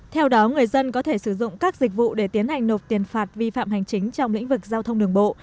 theo đó người dân có thể sử dụng các dịch vụ để tiến hành nộp tiền phạt vi phạm hành chính trong lĩnh vực giao thông đường bộ